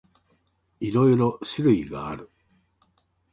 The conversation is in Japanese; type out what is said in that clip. いろいろ種類がある。